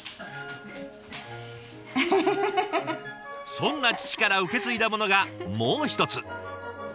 そんな父から受け継いだものがもう一つ。